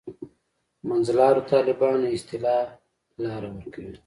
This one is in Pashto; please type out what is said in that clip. منځلارو طالبانو اصطلاح لاره ورکوي.